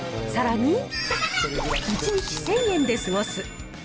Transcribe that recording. さらに、１日１０００円で過ごす！